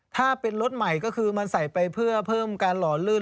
ถ้าเป็นรถใหม่ก็คือมันใส่ไปเพื่อเพิ่มการหล่อลื่น